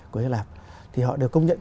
của hy lạp thì họ đều công nhận